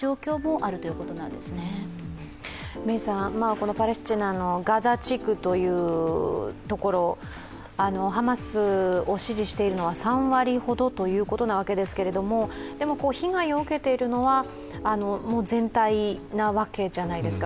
このパレスチナのガザ地区というところ、ハマスを支持しているのは３割ほどということなわけですけれどもでも、被害を受けているのは全体なわけじゃないですか。